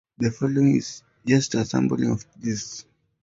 The following is just a sampling of these.